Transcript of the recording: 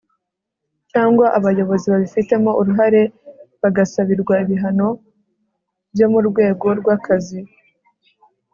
cyangwa abayobozi babifitemo uruhare bagasabirwa ibihano byo mu rwego rw'akazi